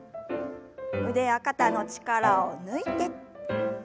腕や肩の力を抜いて。